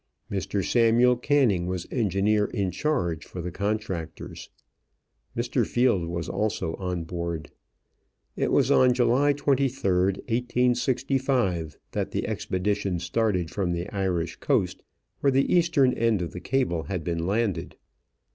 Mr. Samuel Canning was engineer in charge for the contractors. Mr. Field was also on board. It was on July 23, 1865, that the expedition started from the Irish coast, where the eastern end of the cable had been landed.